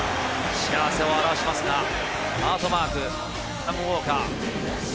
打てば幸せを現しますが、ハートマーク、アダム・ウォーカー。